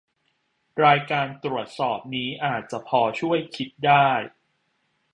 รายการตรวจสอบนี้อาจจะพอช่วยคิดได้